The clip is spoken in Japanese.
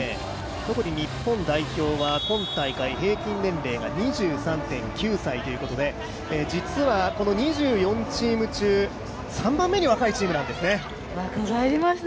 特に日本代表は今大会平均年齢が２３．９歳ということで実はこの２４チーム中、３番目に若いチームなんですね。